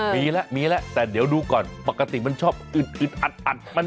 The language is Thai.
มีแล้วมีแล้วแต่เดี๋ยวดูก่อนปกติมันชอบอึดอึดอัด